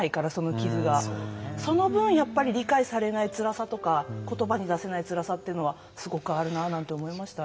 その分やっぱり理解されないつらさとか言葉に出せないつらさっていうのはすごくあるななんて思いましたね。